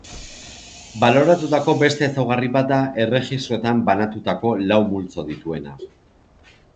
Baloratutako beste ezaugarri bat da erregistroetan banatutako lau multzo dituela.